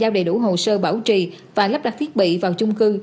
giao đầy đủ hồ sơ bảo trì và lắp đặt thiết bị vào chung cư